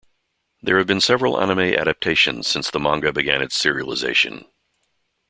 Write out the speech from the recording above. There have been several anime adaptions since the manga began its serialization.